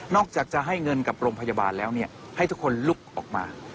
อกจากจะให้เงินกับโรงพยาบาลแล้วให้ทุกคนลุกออกมา